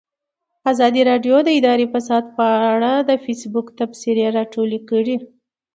ازادي راډیو د اداري فساد په اړه د فیسبوک تبصرې راټولې کړي.